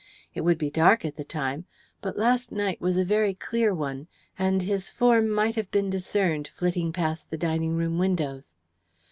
It would be dark at the time, but last night was a very clear one, and his form might have been discerned flitting past the dining room windows.